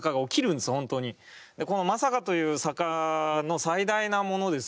でこの「まさか！」という坂の最大なものです。